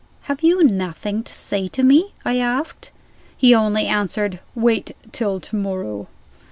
"Have you nothing to say to me?" I asked. He only answered: "Wait till to morrow."